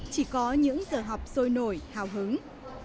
chỉ có những giờ học sôi nổi hào hứng